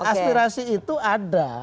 aspirasi itu ada